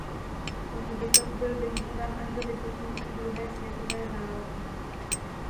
Hřbitov byl využíván až do vypuknutí druhé světové války.